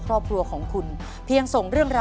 ขอให้คุณพระคุ้มครองและมีแต่สิ่งดีเข้ามาในครอบครัวนะครับ